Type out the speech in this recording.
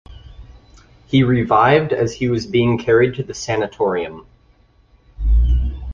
He revived as he was being carried to the sanatorium.